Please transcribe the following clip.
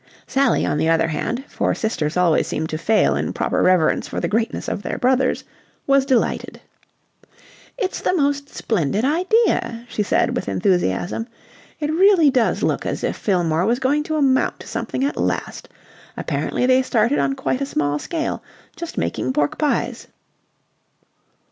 Sally, on the other hand for sisters always seem to fail in proper reverence for the greatness of their brothers was delighted. "It's the most splendid idea," she said with enthusiasm. "It really does look as if Fillmore was going to amount to something at last. Apparently they started on quite a small scale, just making pork pies..."